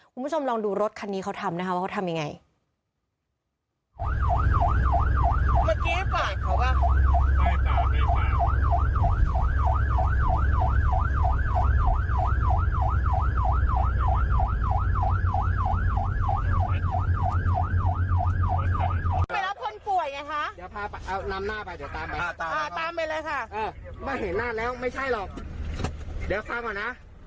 คุณผู้ชมลองดูรถคันนี้เขาทำนะคะว่าเขาทำยังไง